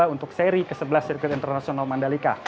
untuk seri ke sebelas sirkuit internasional mandalika